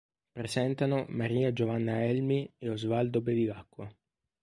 Presentano Maria Giovanna Elmi e Osvaldo Bevilacqua.